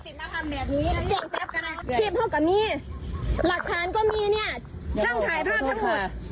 สินมาขอถูก